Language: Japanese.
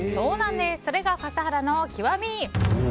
それが笠原の極み。